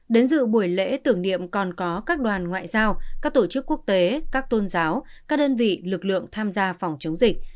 đến dự buổi lễ tưởng niệm còn có các đoàn ngoại giao các tổ chức quốc tế các tôn giáo các đơn vị lực lượng tham gia phòng chống dịch